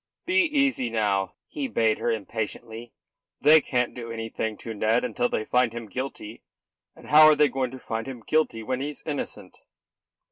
"Be easy now," he bade her impatiently. "They can't do anything to Ned until they find him guilty; and how are they going to find him guilty when he's innocent?"